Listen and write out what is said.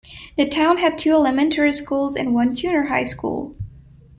The town had two elementary schools and one junior high school.